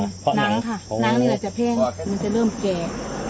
อีกไปชอบก็จะเริ่มแก่